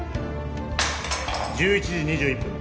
１１時２１分